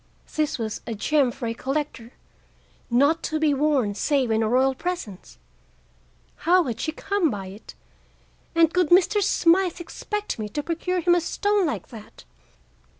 This was a gem for a collector, not to be worn save in a royal presence. How had she come by it? And could Mr. Smythe expect me to procure him a stone like that?